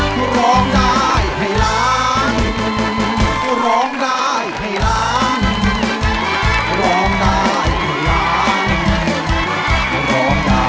ก็ร้องได้ให้ร้าง